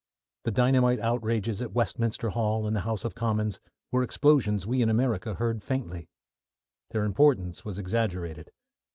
The dynamite outrages at Westminster Hall and the House of Commons were explosions we in America heard faintly. Their importance was exaggerated.